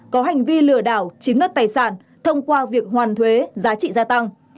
có hành vi lừa đảo chiếm đất tài sản thông qua việc hoàn thuế giá trị gia tăng